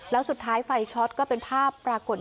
แล้วสุดท้ายไฟช็อตก็เป็นภาพปรากฏ